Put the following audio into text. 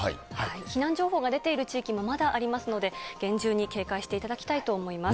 避難情報が出ている地域もまだありますので、厳重に警戒していただきたいと思います。